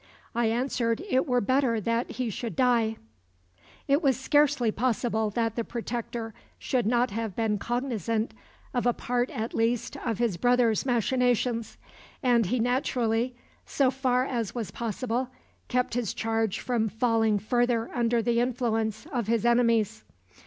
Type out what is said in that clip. I answered it were better that he should die." It was scarcely possible that the Protector should not have been cognisant of a part at least of his brother's machinations; and he naturally, so far as was possible, kept his charge from falling further under the influence of his enemies.